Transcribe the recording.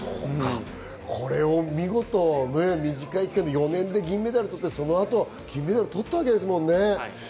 これを見事、短い期間で４年で銀メダル取って、金メダル取ったわけですもんね。